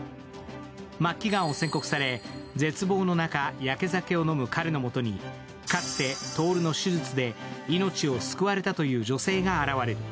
末期がんを宣告され、絶望の中、やけ酒を飲む彼のもとにかつて徹の手術で命を救われたという女性が現れる。